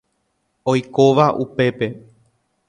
Oikóva upépe.